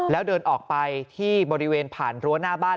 แล้วเดินออกไปที่บริเวณผ่านรั้วหน้าบ้าน